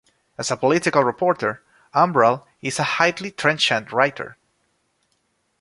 As a political reporter, Umbral is a highly trenchant writer.